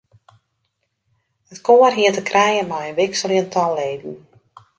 It koar hie te krijen mei in wikseljend tal leden.